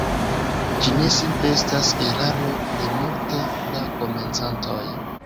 Ĝi ne simple estas eraro de multe da komencantoj.